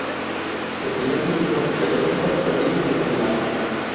El primer dígito representa los permisos adicionales.